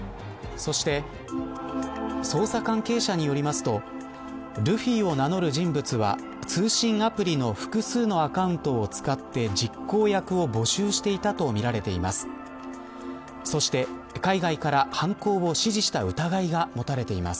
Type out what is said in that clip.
そして、捜査関係者によりますとルフィを名乗る人物は通信アプリの複数のアカウントを使って実行役を募集していたとみられています。